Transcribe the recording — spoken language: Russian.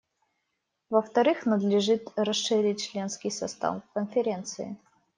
Во-вторых, надлежит расширить членский состав Конференции.